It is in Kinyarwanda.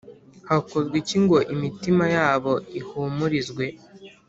Hakorwa iki ngo imitima yabo ihumurizwe?